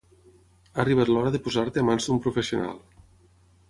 Ha arribat l'hora de posar-te a mans d'un professional.